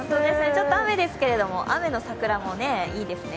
ちょっと雨ですけれども、雨の桜もいいですね。